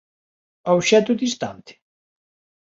Obxecto distante?